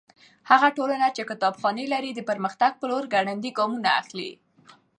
هغه ټولنه چې کتابخانې لري د پرمختګ په لور ګړندي ګامونه اخلي.